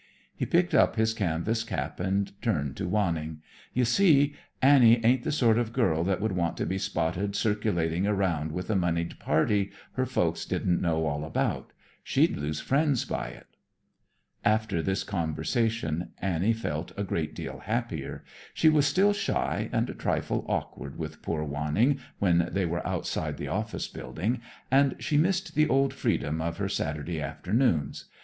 He picked up his canvas cap and turned to Wanning. "You see, Annie ain't the sort of girl that would want to be spotted circulating around with a monied party her folks didn't know all about. She'd lose friends by it." After this conversation Annie felt a great deal happier. She was still shy and a trifle awkward with poor Wanning when they were outside the office building, and she missed the old freedom of her Saturday afternoons.